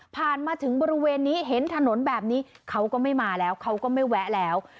มาถึงบริเวณนี้เห็นถนนแบบนี้เขาก็ไม่มาแล้วเขาก็ไม่แวะแล้ว